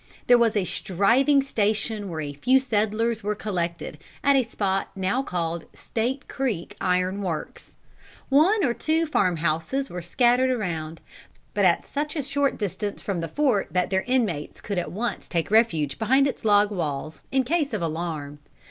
There was a striving station where a few settlers were collected, at a spot now called State Creek Iron Works. One or two farm houses were scattered around, but at such a short distance from the fort that their inmates could at once take refuge behind its log walls, in case of alarm.